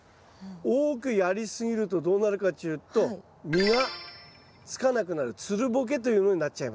多くやり過ぎるとどうなるかっちゅうと実がつかなくなるつるボケというのになっちゃいます。